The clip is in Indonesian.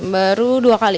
baru dua kali